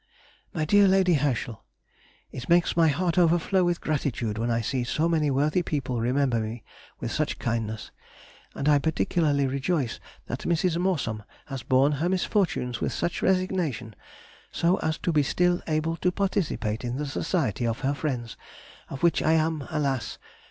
MY DEAR LADY HERSCHEL,— It makes my heart overflow with gratitude when I see so many worthy people remember me with kindness, and I particularly rejoice that Mrs. Morsom has borne her misfortunes with such resignation so as to be still able to participate in the society of her friends; of which I am, alas!